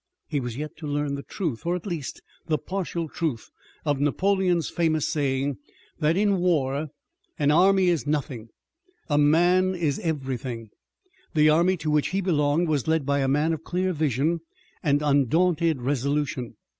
He was yet to learn the truth, or at least the partial truth, of Napoleon's famous saying, that in war an army is nothing, a man is everything. The army to which he belonged was led by a man of clear vision and undaunted resolution.